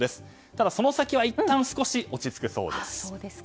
ただ、その先はいったん少し落ち着くそうです。